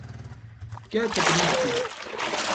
کیا تقریر تھی۔